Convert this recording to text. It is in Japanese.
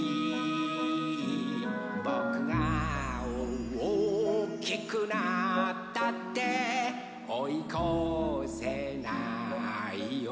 「ぼくがおおきくなったっておいこせないよ」